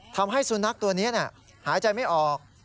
ทำให้สุนัขตัวนี้หายใจไม่ออก